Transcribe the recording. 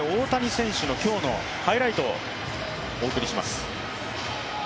大谷選手の今日のハイライトをお送りします。